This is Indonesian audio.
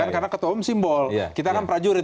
karena ketua umum simbol kita kan prajurit